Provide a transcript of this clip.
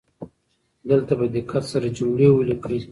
دلته په دقت سره جملې ولیکئ.